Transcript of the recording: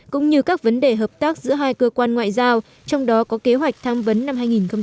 cũng như các vấn đề hợp tác giữa hai cơ quan ngoại giao trong đó có kế hoạch tham vấn năm hai nghìn hai mươi